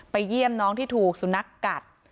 เยี่ยมน้องที่ถูกสุนัขกัด